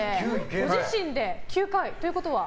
ご自身で９回ということは。